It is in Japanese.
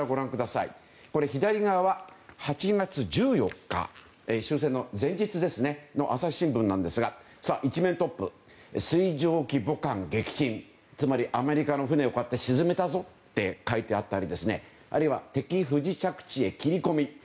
左側は８月１４日終戦前日の朝日新聞なんですが１面トップ「水上機母艦撃沈」つまりアメリカの船を沈めたぞと書いてあったりあるいは「敵不時着地へ切込」